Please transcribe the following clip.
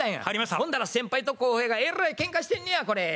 ほんなら先輩と後輩がえらいけんかしてんねやこれ。